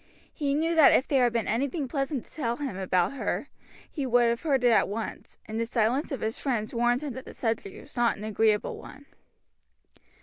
He knew that if there had been anything pleasant to tell about her he would have heard it at once, and the silence of his friends warned him that the subject was not an agreeable one.